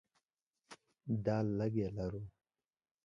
دا لږې لرو.